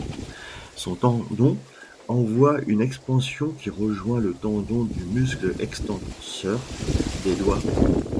Son tendon envoie une expansion qui rejoint le tendon du muscle extenseur des doigts.